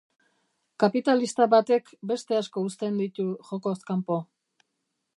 Kapitalista batek beste asko uzten ditu jokoz kanpo.